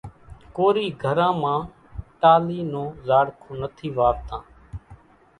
ڪورِي گھران مان ٽالِي نون زاڙکون نٿِي واوتان۔